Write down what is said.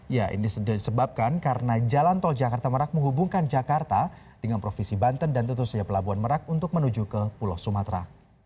ya ini disebabkan karena jalan tol jakarta merak menghubungkan jakarta dengan provinsi banten dan tentu saja pelabuhan merak untuk menuju ke pulau sumatera